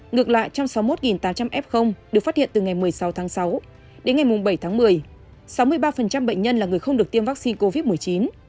ngược lại trong sáu mươi một tám trăm linh f được phát hiện từ ngày một mươi sáu tháng sáu đến ngày bảy tháng một mươi sáu mươi ba bệnh nhân là người không được tiêm vaccine covid một mươi chín